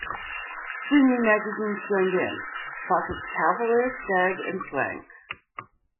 Soon new magazines joined in - Fawcett's "Cavalier", "Stag" and "Swank".